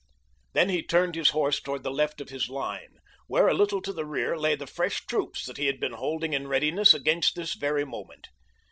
Then he turned his horse toward the left of his line, where, a little to the rear, lay the fresh troops that he had been holding in readiness against this very moment.